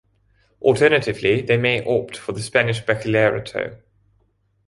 Alternatively, they may opt for the Spanish Bachillerato.